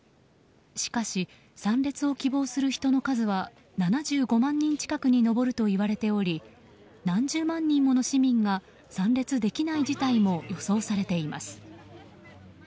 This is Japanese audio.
しかし、参列を希望する人の数は７５万人近くに上るといわれており何十万人もの市民が参列できない事態も予想されています。